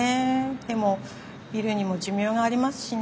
でもビルにも寿命がありますしね。